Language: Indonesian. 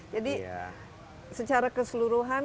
jadi secara keseluruhan